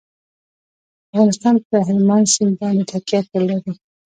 افغانستان په هلمند سیند باندې تکیه لري.